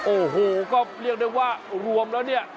โอ้โหก็เรียกได้ว่ารวมแล้วเนี่ย